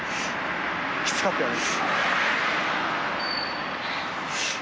きつかったよね。